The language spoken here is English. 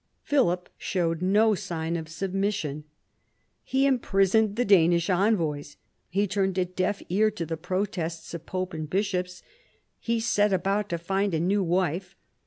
Philip showed no sign of submission. He imprisoned the Danish envoys : he turned a deaf ear to the protests of pope and bishops : he set about to find a new wife.